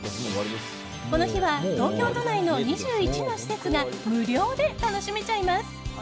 この日は東京都内の２１の施設が無料で楽しめちゃいます。